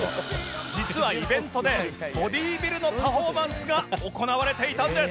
実はイベントでボディビルのパフォーマンスが行われていたんです